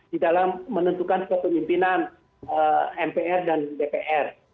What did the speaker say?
di dalam menentukan kepemimpinan mpr dan dpr